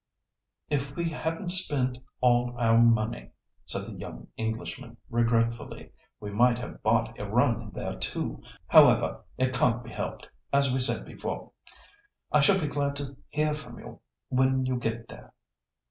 "If we hadn't spent all our money," said the young Englishman regretfully, "we might have bought a run there too. However, it can't be helped, as we said before. I shall be glad to hear from you when you get there."